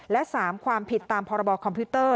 และ๓ความผิดตามพรบคอมพิวเตอร์